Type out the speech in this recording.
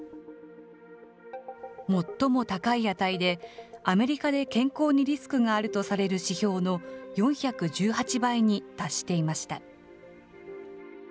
最も高い値で、アメリカで健康にリスクがあるとされる指標の４１８倍に達していました。